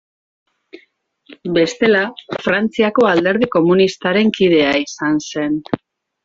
Bestela, Frantziako alderdi komunistaren kidea izan zen.